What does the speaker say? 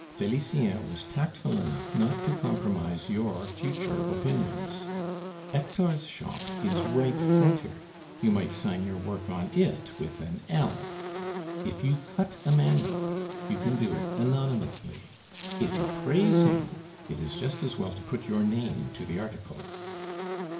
Felicien was tactful enough not to compromise your future opinions. Hector's shop is Right Centre; you might sign your work on it with an L. If you cut a man up, you do it anonymously; if you praise him, it is just as well to put your name to your article."